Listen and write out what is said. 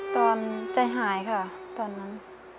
ตอนใจหายค่ะตอนนั้น